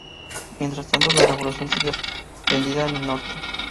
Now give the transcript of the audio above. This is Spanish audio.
Mientras tanto, la revolución seguía prendida en el norte.